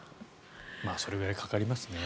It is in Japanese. それぐらいかかりますね。